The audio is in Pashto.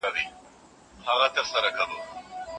دا د مرګ د سراب لار ده موږ دي پاته یو مولا ته